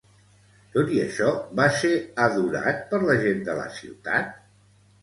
Tot i això, va ser adorat per la gent de la ciutat?